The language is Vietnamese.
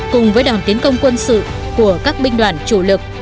cùng với đòn tiến công quân sự của các binh đoàn chủ lực